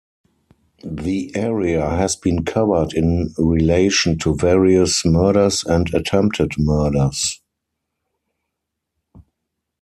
The area has been covered in relation to various murders and attempted murders.